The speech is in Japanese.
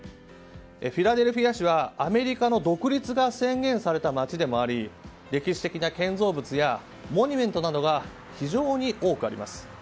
フィラデルフィア市はアメリカの独立が宣言された街でもあり歴史的な建造物やモニュメントなどが非常に多くあります。